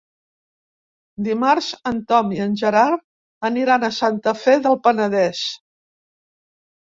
Dimarts en Tom i en Gerard aniran a Santa Fe del Penedès.